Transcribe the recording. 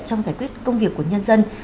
trong giải quyết công việc của nhân dân